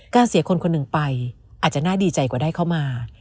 เสียคนคนหนึ่งไปอาจจะน่าดีใจกว่าได้เข้ามา